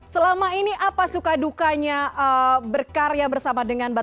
selama ini apa suka dukanya berkarya bersama dengan bapak